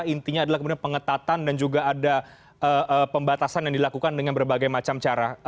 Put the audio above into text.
intinya adalah kemudian pengetatan dan juga ada pembatasan yang dilakukan dengan berbagai macam cara